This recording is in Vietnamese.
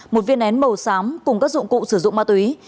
một viên nén màu xám cùng các dụng cụ sử dụng ma túy